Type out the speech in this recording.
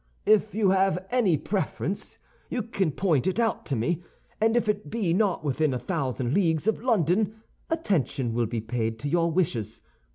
"If you have any preference you can point it out to me; and if it be not within a thousand leagues of London, attention will be paid to your wishes.